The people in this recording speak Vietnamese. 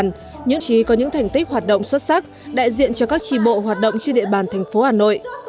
những trí có những thành tích hoạt động xuất sắc đại diện cho các tri bộ hoạt động trên địa bàn thành phố hà nội